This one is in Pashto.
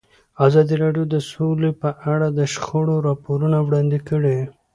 ازادي راډیو د سوله په اړه د شخړو راپورونه وړاندې کړي.